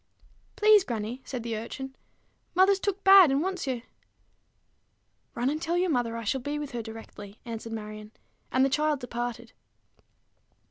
"Please, grannie," said the urchin, "mother's took bad, and want's ye." "Run and tell your mother I shall be with her directly," answered Marion; and the child departed.